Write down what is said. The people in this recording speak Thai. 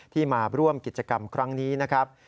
มาร่วมกิจกรรมครั้งนี้นะครับ